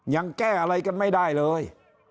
ยังแก้อะไรกันไม่ได้เลย